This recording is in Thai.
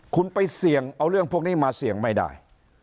คุณไปเสี่ยงเอาเรื่องพวกนี้มาเสี่ยงไม่ได้